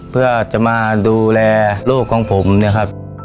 เพื่อจะมาดูแลลูกของผมเนี่ยครับ